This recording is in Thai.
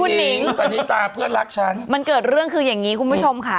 คุณหนิงปณิตาเพื่อนรักฉันมันเกิดเรื่องคืออย่างนี้คุณผู้ชมค่ะ